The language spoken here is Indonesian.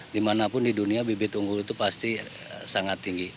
dimanapun di dunia bibit unggul itu pasti sangat tinggi